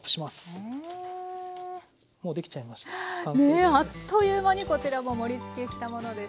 ねえあっという間にこちらも盛りつけしたものです。